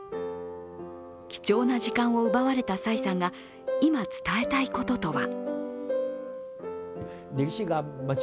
貴重な時間を奪われた蔡さんが今、伝えたいこととは。